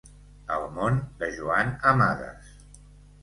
El món de Joan Amades.